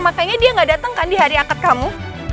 makanya dia gak datang kan di hari akad kamu